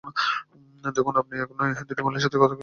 দেখুন আপনি এক নয়, দুইটি মহিলার সাথে কী করলেন এটা?